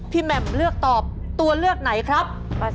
แหม่มเลือกตอบตัวเลือกไหนครับ